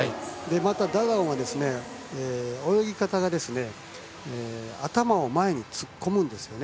また、ダダオンは泳ぎ方が頭を前に突っ込むんですね。